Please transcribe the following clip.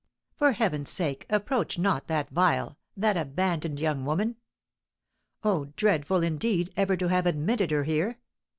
For Heaven's sake approach not that vile, that abandoned young woman! Oh, dreadful, indeed, ever to have admitted her here!